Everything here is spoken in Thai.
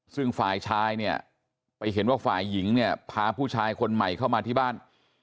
ซึ่งฝ่ายชายเนี่ยไปเห็นว่าฝ่ายหญิงเนี่ยพาผู้ชายคนใหม่เข้ามาที่บ้าน